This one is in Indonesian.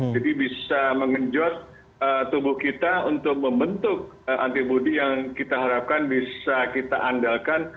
bisa mengenjot tubuh kita untuk membentuk antibody yang kita harapkan bisa kita andalkan